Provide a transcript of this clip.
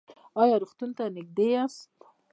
ایا روغتون ته نږدې یاست؟